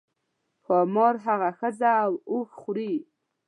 ښامار هغه ښځه او اوښ خوري.